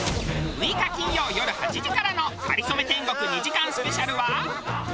６日金曜よる８時からの『かりそめ天国』２時間スペシャルは。